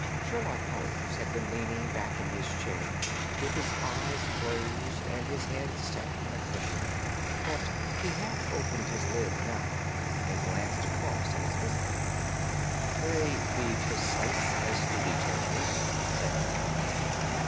Sherlock Holmes had been leaning back in his chair with his eyes closed and his head sunk in a cushion, but he half opened his lids now and glanced across at his visitor. "Pray be precise as to details," said he.